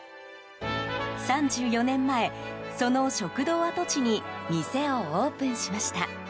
３４年前、その食堂跡地に店をオープンしました。